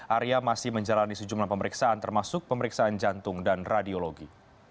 arya masih menjalani sejumlah pemeriksaan termasuk pemeriksaan jantung dan radiologi